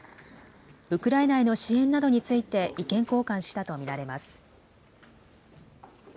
ウクライナへの支援などについて、意見交換したと見られます。